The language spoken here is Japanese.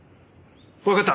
わかった。